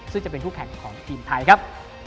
ซึ่งจะเป็นคู่แข่งของทีมไทยครับ